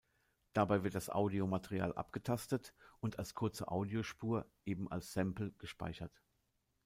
Dabei wird das Audiomaterial abgetastet und als kurze Audiospur, eben als "Sample," gespeichert.